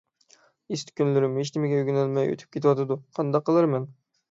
ئىسىت، كۈنلىرىم ھېچنېمە ئۆگىنەلمەي ئۆتۈپ كېتىۋاتىدۇ. قانداق قىلارمەن؟